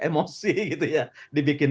emosi gitu ya dibikin